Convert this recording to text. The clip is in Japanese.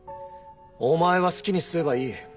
お前は好きにすればいい。